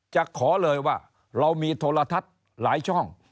จะขอเลยว่าเรามีโทรทัศน์หลายช่อง